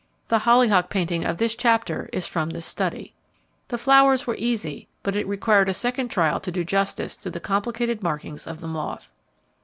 The hollyhock painting of this chapter is from this study. The flowers were easy but it required a second trial to do justice to the complicated markings of the moth.